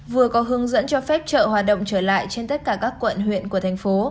vừa có hướng dẫn cho phép chợ hoạt động trở lại trên tất cả các quận huyện của thành phố